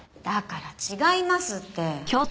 だから違いますって。